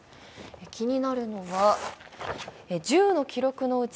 気になるのが、１０の記録のうち